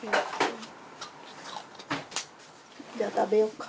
じゃあ食べようか。